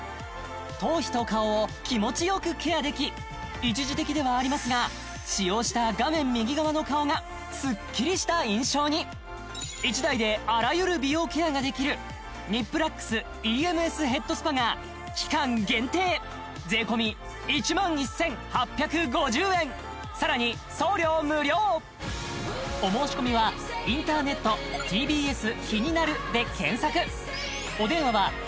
頭皮と顔を気持ちよくケアでき一時的ではありますが使用した画面右側の顔がスッキリした印象に１台であらゆる美容ケアができるＮＩＰＬＵＸＥＭＳヘッドスパが期間限定さらに送料無料ＥＭＳ